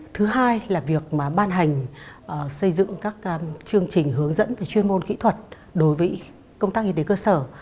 thứ hai là việc mà ban hành xây dựng các chương trình hướng dẫn về chuyên môn kỹ thuật đối với công tác y tế cơ sở